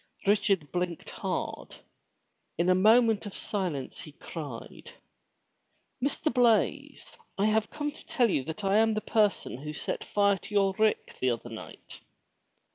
Richard bUnked hard. In a moment of silence he cried. "Mr. Blaize, I have come to tell you that I am the person who set fire to your rick the other night.'